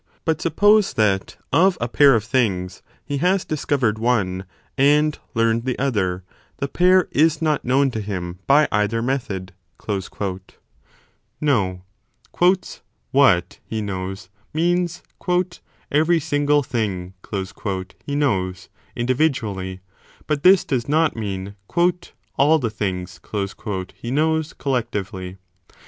But suppose that of a pair of things he has discovered one and 35 learned the other, the pair is not known to him by either method. No : what he knows, means every single thing he knows, individually; but this does not 2 mean all the things he knows, collectively.